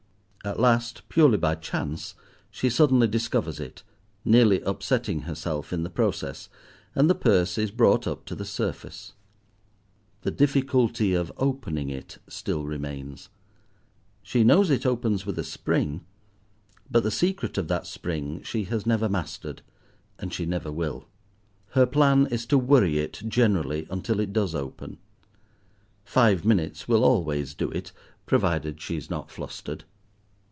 At last, purely by chance, she suddenly discovers it, nearly upsetting herself in the process, and the purse is brought up to the surface. The difficulty of opening it still remains. She knows it opens with a spring, but the secret of that spring she has never mastered, and she never will. Her plan is to worry it generally until it does open. Five minutes will always do it, provided she is not flustered.